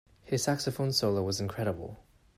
His saxophone solo was incredible.